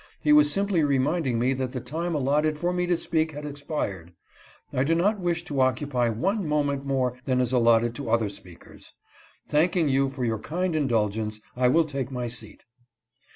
He was simply re minding me that the time allotted for me to speak had expired. I do not wish to occupy one moment more than is allotted to other speakers. Thanking you for your kind indulgence, I will take my seat."